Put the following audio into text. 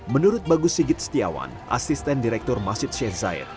menurut bagus sigit setiawan asisten direktur masjid syed zaid